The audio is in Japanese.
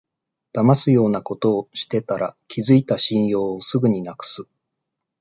だますようなことしてたら、築いた信用をすぐになくす